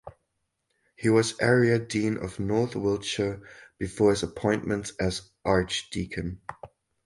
He was Area Dean of North Wiltshire before his appointment as Archdeacon.